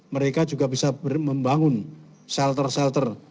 mereka juga bisa membangun shelter shelter